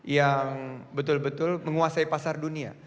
yang betul betul menguasai pasar dunia